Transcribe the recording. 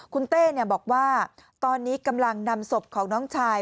คุณเต้บอกว่าตอนนี้กำลังนำศพของน้องชาย